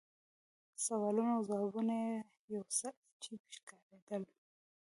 سوالونه او ځوابونه یې یو څه عجیب ښکارېدل.